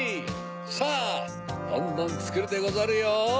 さぁどんどんつくるでござるよ。